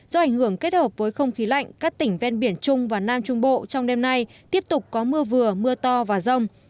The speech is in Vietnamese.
do ảnh hưởng kết hợp với không khí lạnh các tỉnh ven biển trung và nam trung bộ trong đêm nay tiếp tục có mưa vừa mưa to và rông